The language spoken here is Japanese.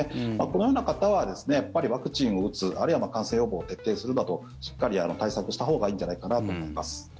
このような方はやっぱりワクチンを打つあるいは感染予防を徹底するなどしっかり対策したほうがいいんじゃないかなと思います。